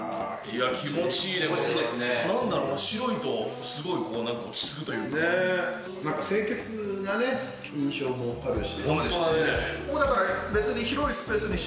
気持ちいいね、これ、なんだろう、白いとすごいなんか落ち着くとい清潔なね、印象もあるし。